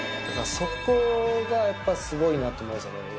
そこがやっぱすごいなと思いますね。